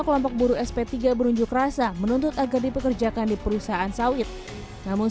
kelompok buruh sp tiga berunjuk rasa menuntut agar dipekerjakan di perusahaan sawit namun